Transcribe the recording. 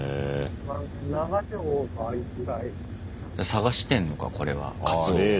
探してんのかこれはカツオを。